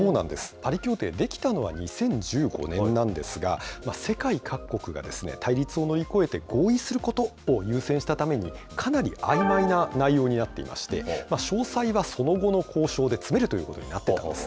パリ協定、出来たのは２０１５年なんですが、世界各国がですね、対立を乗り越えて合意することを優先したために、かなりあいまいな内容になっていまして、詳細はその後の交渉で詰めるということになっています。